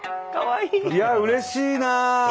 いやうれしいなあ。